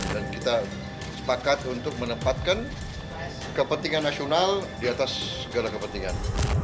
dan kita sepakat untuk menempatkan kepentingan nasional di atas segala kepentingan